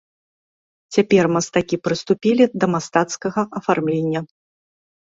Цяпер мастакі прыступілі да мастацкага афармлення.